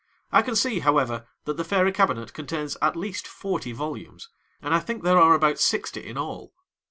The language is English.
I can see, however, that the Fairy Cabinet contains at least forty volumes, and I think there are about sixty in all.